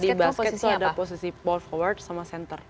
di basket itu ada posisi paul forward sama center